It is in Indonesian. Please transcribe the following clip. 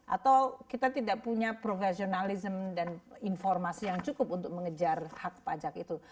atau kita tidak punya profesionalism dan informasi yang cukup untuk mengejar hak pajak itu